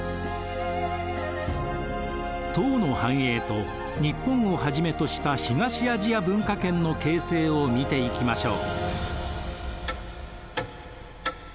唐の繁栄と日本をはじめとした東アジア文化圏の形成を見ていきましょう。